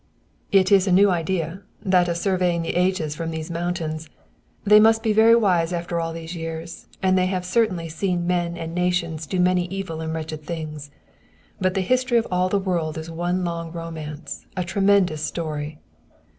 "It is a new idea that of surveying the ages from these mountains. They must be very wise after all these years, and they have certainly seen men and nations do many evil and wretched things. But the history of the world is all one long romance a tremendous story."